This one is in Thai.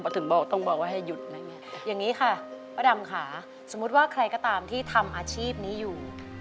ถึงต้องบอกว่าให้หยุดอย่างนี้ค่ะป้าดำค่ะสมมติว่าใครก็ตามที่ทำอาชีพนี้อยู่